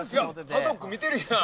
パドック見てるやん！